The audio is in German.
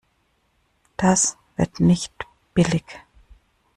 Das wird nicht billig.